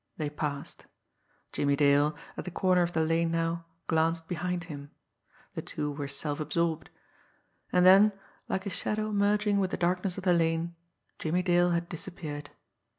They passed. Jimmie Dale, at the corner of the lane now, glanced behind him. The two were self absorbed. And then, like a shadow merging with the darkness of the lane, Jimmie Dale had disappeared.